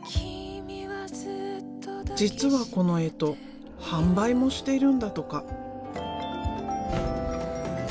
実はこの干支販売もしているんだとか。